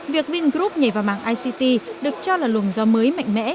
việc vingroup nhảy vào mạng ict được cho là luồng gió mới mạnh mẽ